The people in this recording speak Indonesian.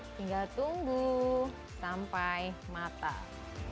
tinggal tunggu sampai matang